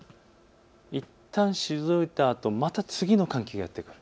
いったん退いたあとまた次の寒気がやって来る。